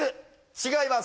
違います